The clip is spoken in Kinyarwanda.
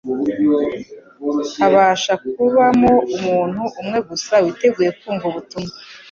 Habasha kubamo umuntu umwe gusa witeguye kumva ubutumwa;